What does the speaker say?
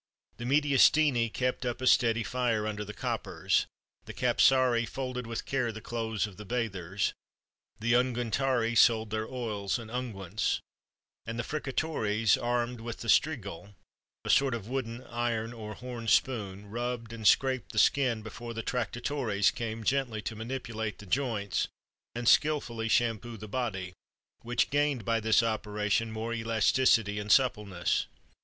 The mediastini kept up a steady fire under the coppers; the capsarii folded with care the clothes of the bathers; the unguentarii sold their oils and unguents; and the fricatores, armed with the strigil a sort of wooden, iron, or horn spoon rubbed and scraped the skin before the tractatores came gently to manipulate the joints, and skilfully shampoo the body, which gained by this operation more elasticity and suppleness.